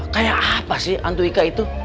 kayak apa sih hantu ika itu